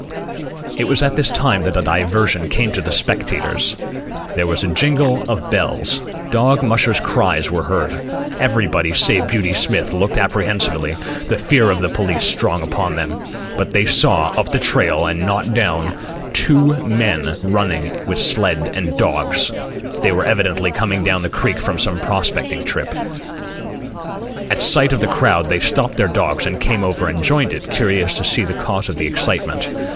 It was at this time that a diversion came to the spectators. There was a jingle of bells. Dog mushers' cries were heard. Everybody, save Beauty Smith, looked apprehensively, the fear of the police strong upon them. But they saw, up the trail, and not down, two men running with sled and dogs. They were evidently coming down the creek from some prospecting trip. At sight of the crowd they stopped their dogs and came over and joined it, curious to see the cause of the excitement.